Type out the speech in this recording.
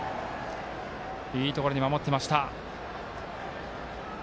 いいところに守っていました。